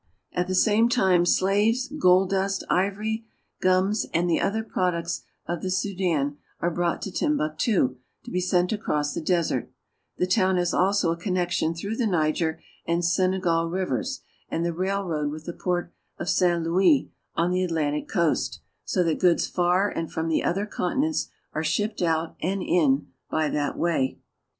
At the same time slaves, gold dust, ivory, gums, and the other products of the Sudan are brought to Timbuktu to be sent across the desert; the town has also a connection through the Niger and Senegal rivers and the railroad with the port of St. Louis (saN ]oo e')onthe Atlantic coast, so that goods for and from the other conti _ nents are shipped out and in by that way.